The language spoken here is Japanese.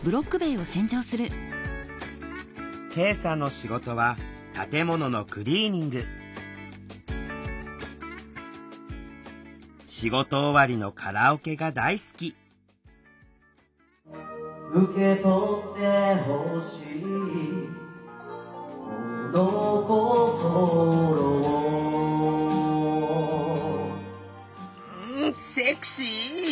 恵さんの仕事は建物のクリーニング仕事終わりのカラオケが大好き受け取って欲しいこの心をうんセクシー！